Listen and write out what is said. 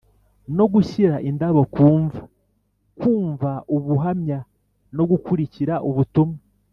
no gushyira indabo ku mva Kumva ubuhamya no gukurikira ubutumwa